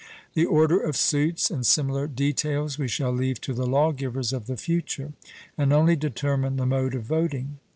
The order of suits and similar details we shall leave to the lawgivers of the future, and only determine the mode of voting.